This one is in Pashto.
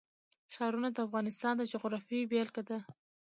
ښارونه د افغانستان د جغرافیې بېلګه ده.